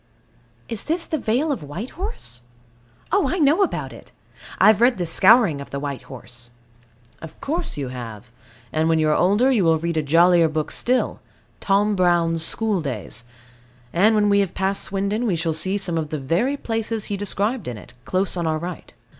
Is this the Vale of White Horse? Oh, I know about it; I have read The Scouring of the White Horse. Of course you have; and when you are older you will read a jollier book still, Tom Brown's School Days and when we have passed Swindon, we shall see some of the very places described in it, close on our right.